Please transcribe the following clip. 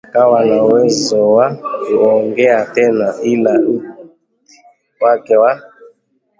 Akawa ana uwezo wa kuongea tena ila uti wake wa